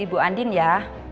kita jagain ibu andin ya